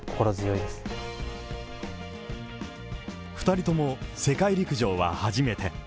２人とも世界陸上は初めて。